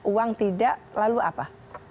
uang tidak lalu apa